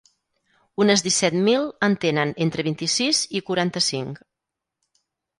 Unes disset mil en tenen entre vint-i-sis i quaranta-cinc.